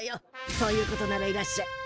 そういうことならいらっしゃい。